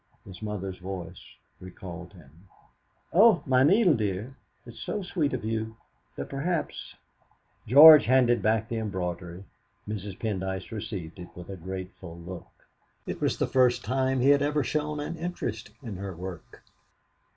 His mother's voice recalled him: "Oh, my needle, dear! It's so sweet of you, but perhaps" George handed back the embroidery. Mrs. Pendyce received it with a grateful look. It was the first time he had ever shown an interest in her work.